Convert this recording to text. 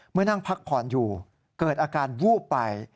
นั่งพักผ่อนอยู่เกิดอาการวูบไป